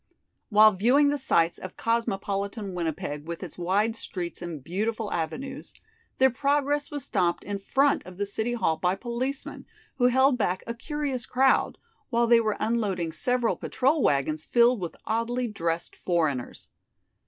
While viewing the sights of cosmopolitan Winnipeg with its wide streets and beautiful avenues, their progress was stopped in front of the City Hall by policemen, who held back a curious crowd, while they were unloading several patrol wagons filled with oddly dressed foreigners.